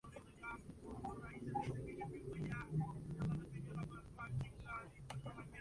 Para Manrupe y Portela "es uno de los mejores títulos de Ferreyra.